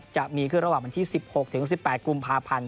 จะมีระหว่างวันที่๑๖๑๘กุมพาพันธุ์